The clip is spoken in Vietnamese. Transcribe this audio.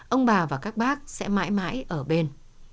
ông bà và các bác sẽ mãi mãi ở bên